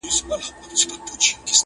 له انګلیسي ترجمې څخه؛